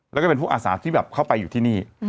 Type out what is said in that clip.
แล้วก็เป็นพวกอาสาที่แบบเข้าไปอยู่ที่นี่